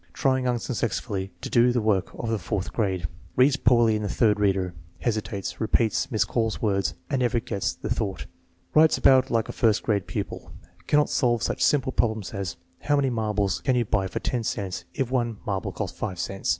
Trying unsuccessfully to do the work of the fourth grade. Reads poorly in the third reader. Hesitates, repeats, miscalls words, and never gets the thought. Writes about like a first grade pupil. Cannot solve such simple problems as "How many marbles can you buy for ten cents if one marble costs five cents?"